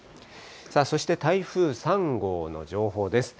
そして台風３号の情報です。